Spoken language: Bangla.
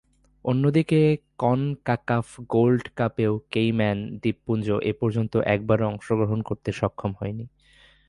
অন্যদিকে, কনকাকাফ গোল্ড কাপেও কেইম্যান দ্বীপপুঞ্জ এপর্যন্ত একবারও অংশগ্রহণ করতে সক্ষম হয়নি।